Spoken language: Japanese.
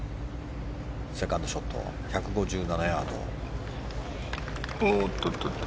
セカンドショット１５７ヤード。